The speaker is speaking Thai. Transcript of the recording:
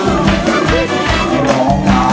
คุณเพิ่มภูมิหลอก